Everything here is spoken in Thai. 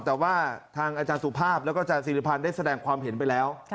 แต่ว่าทางอาจารย์สุภาพแล้วก็อาจารย์สิริพันธ์ได้แสดงความเห็นไปแล้ว